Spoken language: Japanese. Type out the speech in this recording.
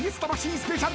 スペシャル